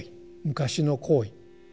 昔の行為。